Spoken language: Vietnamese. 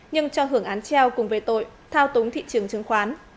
nhưng cho hưởng án treo cùng về tội thao túng thị trường chứng khoán